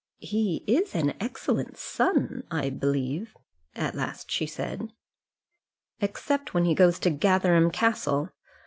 "He is an excellent son, I believe," at last she said. "Except when he goes to Gatherum Castle.